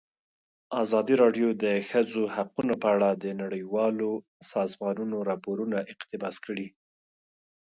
ازادي راډیو د د ښځو حقونه په اړه د نړیوالو سازمانونو راپورونه اقتباس کړي.